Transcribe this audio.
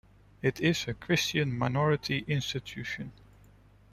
It is a Christian minority institution.